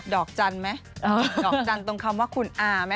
ดอกจันทร์ไหมดอกจันทร์ตรงคำว่าคุณอาไหม